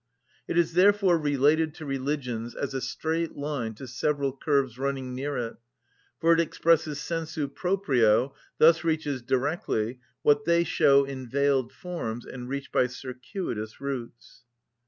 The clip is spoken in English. It is therefore related to religions as a straight line to several curves running near it: for it expresses sensu proprio, thus reaches directly, what they show in veiled forms and reach by circuitous routes.